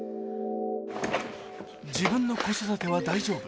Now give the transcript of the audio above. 「自分の子育ては大丈夫」